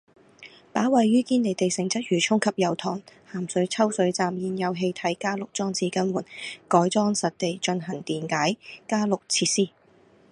把位於堅尼地城、鰂魚涌及油塘的鹹水抽水站現有的氣體加氯裝置更換，改裝實地進行電解加氯設施